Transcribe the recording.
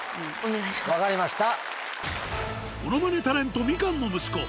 分かりました！